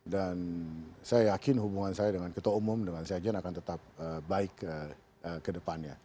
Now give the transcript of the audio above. dan saya yakin hubungan saya dengan ketua umum dengan seajen akan tetap baik kedepannya